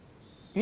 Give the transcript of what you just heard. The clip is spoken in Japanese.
え？